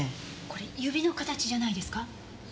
これ指の形じゃないですか？